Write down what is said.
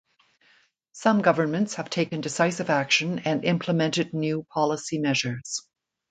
Some governments have taken decisive action and implemented new policy measures.